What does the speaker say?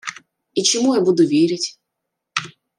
И чему я буду верить?